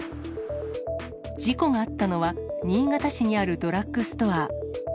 事故があったのは、新潟市にあるドラッグストア。